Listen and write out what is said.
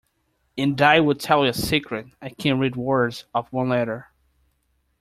And I’ll tell you a secret—I can read words of one letter!